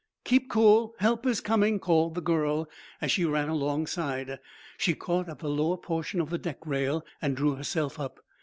"Keep cool. Help is coming!" called the girl, as she ran alongside. She caught at the lower portion of the deck rail and drew herself up.